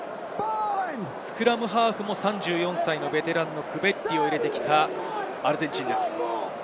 スクラムハーフも３４歳のベテラン、クベッリを入れてきたアルゼンチンです。